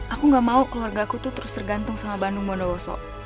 aku gak mau keluarga aku tuh terus tergantung sama bandung bondowoso